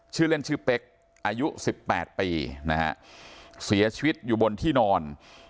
ชื่อเล่นชื่อเป๊กอายุสิบแปดปีนะฮะเสียชีวิตอยู่บนที่นอน